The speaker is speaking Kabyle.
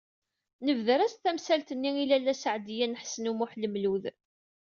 Nebder-as-d tadyant-nni i Lalla Seɛdiya n Ḥsen u Muḥ Lmlud.